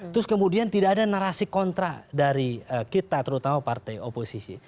terus kemudian tidak ada narasi kontra dari kita terutama partai oposisi